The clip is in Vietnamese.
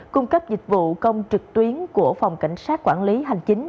cung cấp dịch vụ công trực tuyến của phòng cảnh sát quản lý hành chính